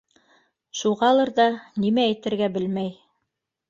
Шуғалыр ҙа нимә әйтергә белмәй.